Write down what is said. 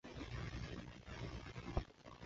有一部分规则甚至不承认自摸达成的平和。